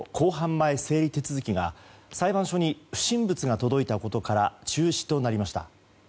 前整理手続きが裁判所に不審物が届いたことから中止となりました。